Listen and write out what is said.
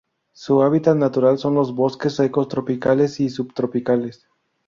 Su hábitat natural son los bosques secos tropicales y subtropicales.